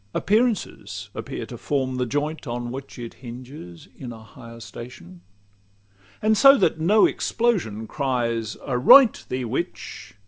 Appearances appear to form the joint On which it hinges in a higher station; And so that no explosion cry "Aroint Thee, witch!"